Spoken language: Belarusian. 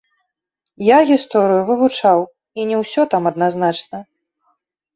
Я гісторыю вывучаў, і не ўсё там адназначна.